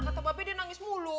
kata bapak dia nangis mulu